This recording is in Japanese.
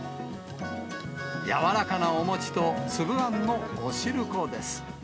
軟らかなお餅と粒あんのお汁粉です。